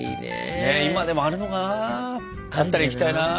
今でもあるのかなあったら行きたいな。